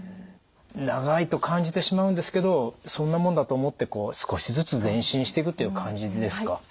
長いと感じてしまうんですけどそんなもんだと思ってこう少しずつ前進していくっていう感じですか。